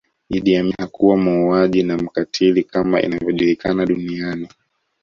Idi Amin hakuwa muuaji na mkatili kama inavyojulikana duniani